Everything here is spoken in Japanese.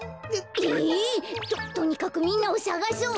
えっ！？ととにかくみんなをさがそう。